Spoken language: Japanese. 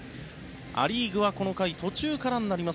ア・リーグはこの回、途中からになります